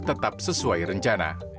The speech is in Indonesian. tetap sesuai rencana